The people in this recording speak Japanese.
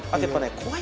怖い？